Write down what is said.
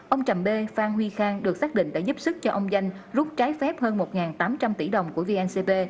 ông trầm b phan huy khang được xác định đã giúp sức cho ông danh rút trái phép hơn một tám trăm linh tỷ đồng của vncb